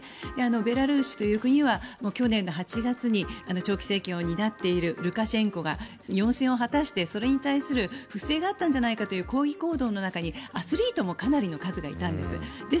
ベラルーシという国は去年の８月に長期政権を担っているルカシェンコが４選を果たしてそれに対する不正があったんじゃないかという抗議行動の中にアスリートもかなりの数がいたんです。